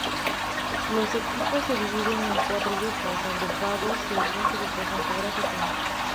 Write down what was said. Los equipos se dividen en cuatro grupos, agrupados según su ubicación geográfica.